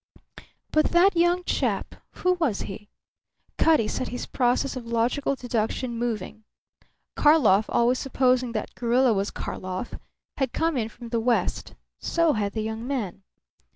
But that young chap! Who was he? Cutty set his process of logical deduction moving. Karlov always supposing that gorilla was Karlov had come in from the west. So had the young man.